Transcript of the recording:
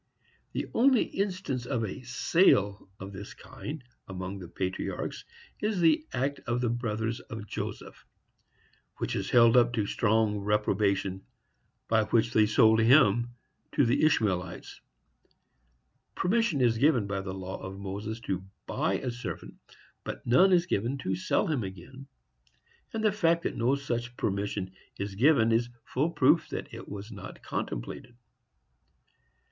The only instance of a sale of this kind among the patriarchs is that act of the brothers of Joseph, which is held up to so strong reprobation, by which they sold him to the Ishmaelites. Permission is given in the law of Moses to buy a servant, but none is given to sell him again; and the fact that no such permission is given is full proof that it was not contemplated.